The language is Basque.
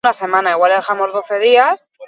Atzoko bozketak oso polemikoak izan ziren.